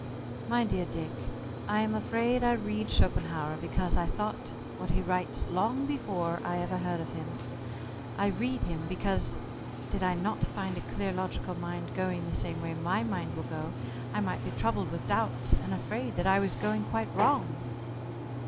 "My dear Dick, I am afraid I read Schopenhauer because I thought what he writes long before I ever heard of him. I read him because did I not find a clear logical mind going the same way my mind will go, I might be troubled with doubts, and afraid that I was going quite wrong."